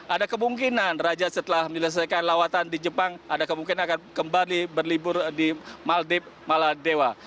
ada kemungkinan raja setelah menyelesaikan lawatan di jepang ada kemungkinan akan kembali berlibur di maldip maladewa